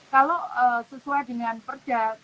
kalau sesuai dengan perjalanan